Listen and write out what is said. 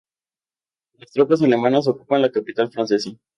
Las tropas alemanas ocupan la capital francesa.